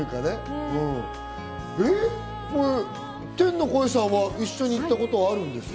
天の声さんは一緒に行ったことあるんですか？